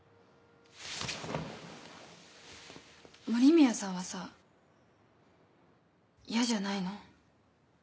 森宮さんはさぁ嫌じゃないの？